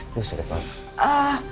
aduh sakit banget